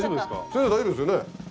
先生大丈夫ですよね？